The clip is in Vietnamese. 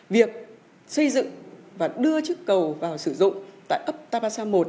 việc xây dựng và đưa chiếc cầu vào sử dụng tại ấp tabasa một